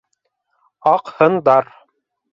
Аҡһындар.